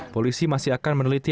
polisi masih akan meneliti